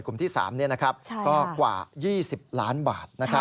กลุ่มที่๓ก็กว่า๒๐ล้านบาท